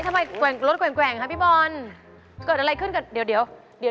ทำไมรถแกว่งค่ะพี่บอลเกิดอะไรขึ้นกันเดี๋ยว